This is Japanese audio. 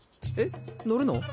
えっ乗るの？